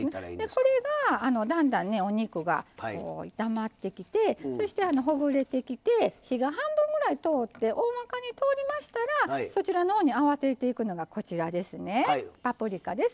これがだんだんお肉があったまってきてそして、ほぐれてきて火が半分くらい通って大まかに通りましたらそちらのほうにあわせていくのがパプリカです。